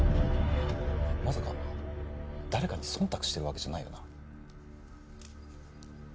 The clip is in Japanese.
まさか誰かに忖度してるわけじゃないよな？